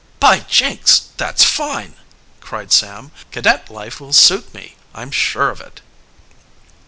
"By Jinks, that's fine!" cried Sam. "Cadet life will suit me, I'm sure of it."